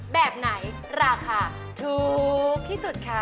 แบบไหนราคาถูกที่สุดคะ